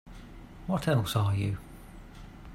What else are you?